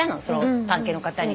その関係の方に。